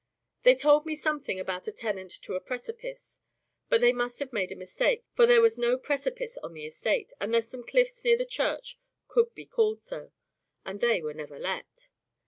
They told me something about a tenant to a precipice, but they must have made a mistake, for there was no precipice on the estate, unless some cliffs near the church could be called so, and they were never let.